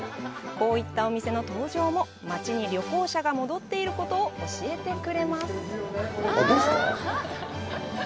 こういったお店の登場も、街に旅行者が戻っていることを教えてくれます。